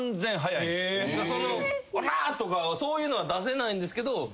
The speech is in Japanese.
そのおらとかそういうの出せないんですけど